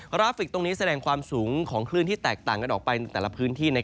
ราฟิกตรงนี้แสดงความสูงของคลื่นที่แตกต่างกันออกไปในแต่ละพื้นที่